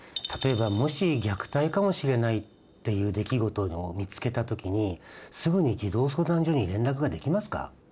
例えばもし虐待かもしれないっていう出来事を見つけた時にすぐに児童相談所に連絡ができますか？